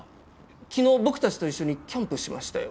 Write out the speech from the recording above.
昨日僕たちと一緒にキャンプしましたよ。